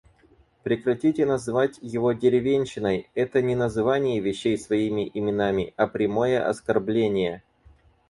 Прекратите называть его деревенщиной! Это не называние вещей своими именами, а прямое оскорбление.